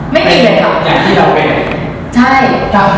ไม่ได้เลยครับ